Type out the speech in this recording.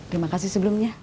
terima kasih sebelumnya